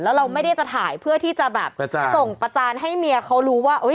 แล้วเราไม่ได้จะถ่ายเพื่อที่จะแบบส่งประจานให้เมียเขารู้ว่า